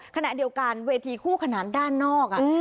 ขณะเดียวกันเวทีคู่ขนานด้านนอก